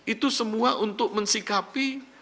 itu semua untuk mensikapi